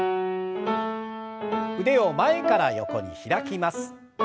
腕を前から横に開きます。